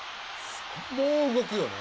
もう動くよね？